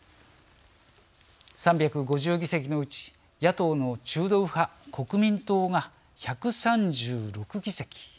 ３５０議席のうち野党の中道右派・国民党が１３６議席